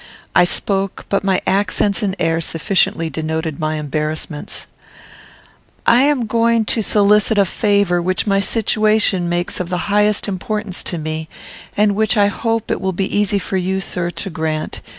I spoke, but my accents and air sufficiently denoted my embarrassments: "I am going to solicit a favour which my situation makes of the highest importance to me, and which I hope it will be easy for you, sir, to grant.